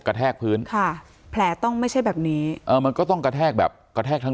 แทกพื้นค่ะแผลต้องไม่ใช่แบบนี้เออมันก็ต้องกระแทกแบบกระแทกทั้ง